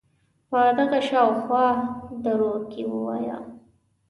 په دغه شااو خوا دروکې وایه